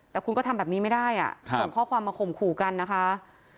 แต่คุณก็ทำแบบนี้ไม่ได้ส่งข้อความมาข่มขู่กันนะคะ